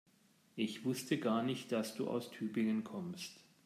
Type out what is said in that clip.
Ich wusste gar nicht, dass du aus Tübingen kommst